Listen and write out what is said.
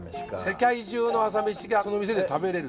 世界中の朝飯がその店で食べられる。